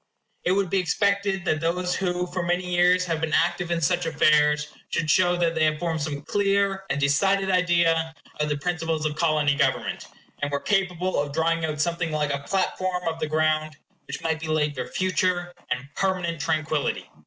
It would be expected that those who for many years had been active in such affairs should show that they had formed some clear and decided idea of the principles of Colony government; and were capable of drawing out something like a platform of the ground which might be laid for future and permanent tranquillity.